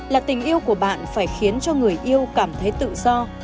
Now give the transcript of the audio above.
là tình yêu của bạn phải khiến cho người yêu cảm thấy tự do